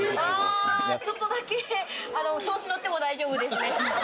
ちょっとだけ調子乗っても大丈夫ですね。